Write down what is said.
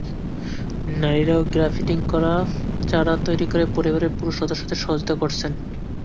নারীরাও গ্রাফটিং করা চারা তৈরি করে পরিবারের পুরুষ সদস্যদের সহযোগিতা করছেন।